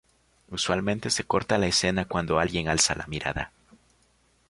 Usualmente se corta la escena cuando alguien alza la mirada.